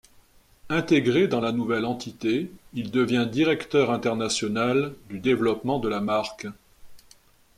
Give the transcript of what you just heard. Intégré dans la nouvelle entité, il devient directeur international du développement de la marque.